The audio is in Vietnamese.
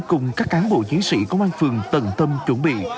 cùng các cán bộ chiến sĩ công an phường tận tâm chuẩn bị